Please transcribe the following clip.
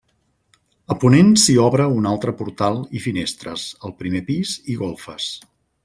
A ponent s'hi obre un altre portal i finestres al primer pis i golfes.